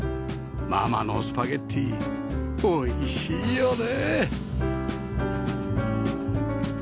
ママのスパゲティおいしいよね！